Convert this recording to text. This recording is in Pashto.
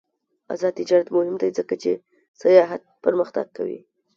آزاد تجارت مهم دی ځکه چې سیاحت پرمختګ کوي.